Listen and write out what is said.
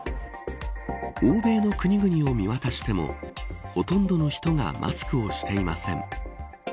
欧米の国々を見渡してもほとんどの人がマスクをしていません。